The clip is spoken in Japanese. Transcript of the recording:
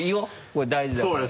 これ大事だから。